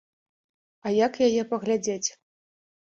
А як яе паглядзець?